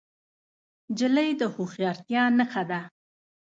نجلۍ د هوښیارتیا نښه ده.